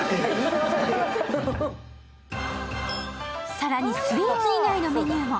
更にスイーツ以外のメニューも。